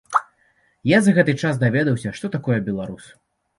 Я за гэты час даведаўся, што такое беларус.